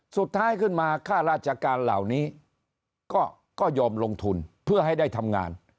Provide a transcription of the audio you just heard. สุดท้ายขึ้นมาค่าราชการเหล่านี้ก็ยอมลงทุนเพื่อให้ได้ทำงาน